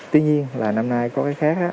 tuy nhiên là năm nay có cái khác